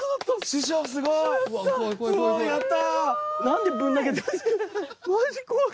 師匠すごい！やった。